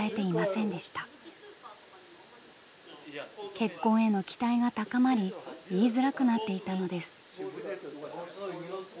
結婚への期待が高まり言いづらくなっていたのです。